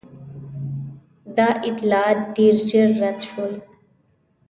دا اطلاعات ډېر ژر رد شول.